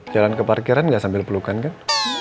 jalan ke parkiran gak sambil pelukan kan